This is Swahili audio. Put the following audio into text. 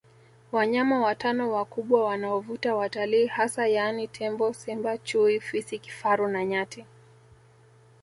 Wanyama watano wakubwa wanaovuta watalii hasa yaani tembo Simba Chui Fisi Kifaru na Nyati